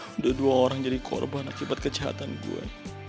sudah dua orang jadi korban akibat kejahatan gue